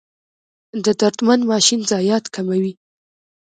د درمند ماشین ضایعات کموي؟